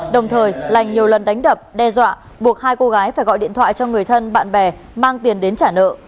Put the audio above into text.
đồng thời lành nhiều lần đánh đập đe dọa buộc hai cô gái phải gọi điện thoại cho người thân bạn bè mang tiền đến trả nợ